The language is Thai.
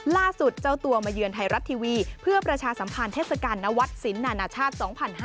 เจ้าตัวมาเยือนไทยรัฐทีวีเพื่อประชาสัมพันธ์เทศกาลนวัดสินนานาชาติ๒๕๕๙